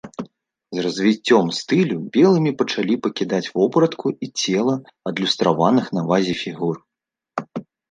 З развіццём стылю белымі пачалі пакідаць вопратку і цела адлюстраваных на вазе фігур.